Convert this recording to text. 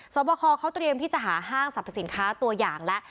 บคอเขาเตรียมที่จะหาห้างสรรพสินค้าตัวอย่างแล้ว